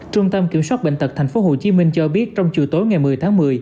trung tâm kiểm soát bệnh tật tp hcm cho biết trong chiều tối ngày một mươi tháng một mươi